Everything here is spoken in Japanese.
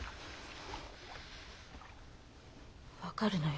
分かるのよ